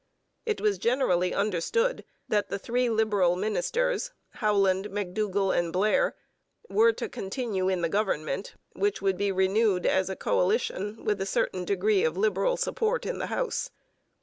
It was generally understood that the three Liberal ministers Howland, McDougall, and Blair were to continue in the government, which would be renewed as a coalition with a certain degree of Liberal support in the House.